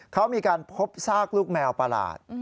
เขามีการพบซากลูกแมวประหลาด